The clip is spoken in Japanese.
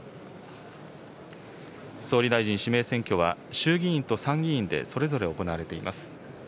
総理大臣指名選挙は、衆議院と参議院でそれぞれ行われています。